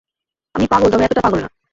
আমি পাগল, তবে এতোটা পাগল না।